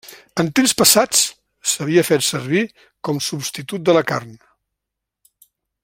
En temps passats s'havia fet servir com substitut de la carn.